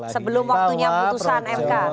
sebelum waktunya putusan mk